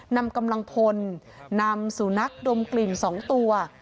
นำกำลังพลนำสูนักดมกลิ่น๒ตัว